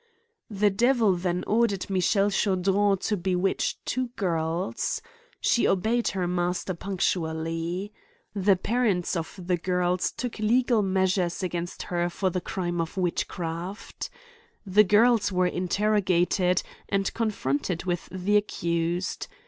The Devil then ordered Michelle Chaudron to bewitch two girls. She obeyed her master punc tually. The parents of the girls took legal mea sures against her for the crime of witchcraft. The girls were interrogated, and confronted with the accused.